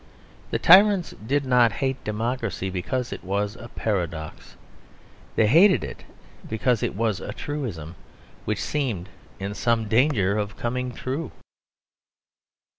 The tyrants did not hate democracy because it was a paradox; they hated it because it was a truism which seemed in some danger of coming true.